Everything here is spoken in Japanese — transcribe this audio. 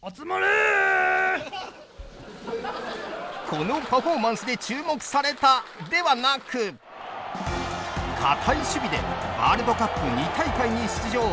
このパフォーマンスで注目されたではなく堅い守備でワールドカップ２大会に出場。